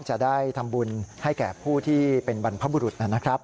จะได้ทำบุญให้แก่ผู้ที่เป็นบรรพบุรุษนะครับ